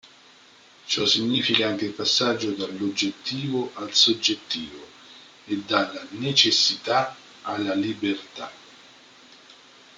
Ciò significa anche il passaggio dall"'oggettivo al soggettivo" e dalla "necessità alla libertà".